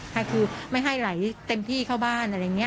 ค่ะคือไม่ให้ไหลเต็มที่เข้าบ้านอะไรอย่างนี้